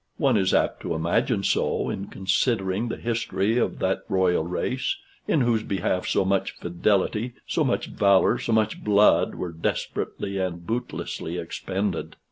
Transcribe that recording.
One is apt to imagine so, in considering the history of that royal race, in whose behalf so much fidelity, so much valor, so much blood were desperately and bootlessly expended.